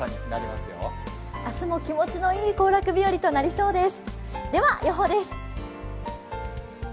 明日も気持ちのいい行楽日和となりそうです。